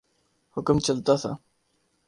حکم چلتا تھا۔